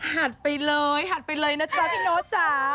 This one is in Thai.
หัดไปเลยหัดไปเลยนะจ๊ะพี่โน๊ตจ๋า